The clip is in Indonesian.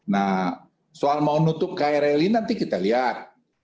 nah soal mau nutup krl ini nanti kita lihat